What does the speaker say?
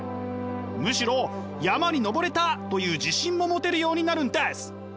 むしろ山に登れたという自信も持てるようになるんです！